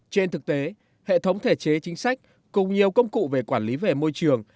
trên thực tế hệ thống thể chế chính sách cùng nhiều công cụ về quản lý về môi trường